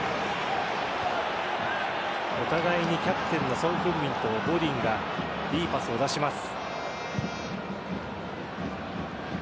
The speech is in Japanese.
お互いにキャプテンのソン・フンミンとゴディンがいいパスを出します。